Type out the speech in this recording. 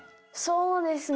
そうですね。